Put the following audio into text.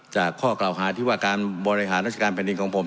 ข้อกล่าวหาที่ว่าการบริหารราชการแผ่นดินของผม